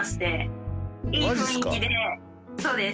そうです。